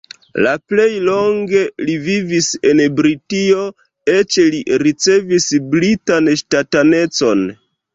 La plej longe li vivis en Britio, eĉ li ricevis britan ŝtatanecon.